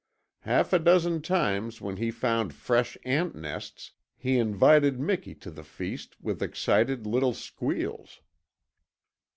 Half a dozen times when he found fresh ant nests he invited Miki to the feast with excited little squeals.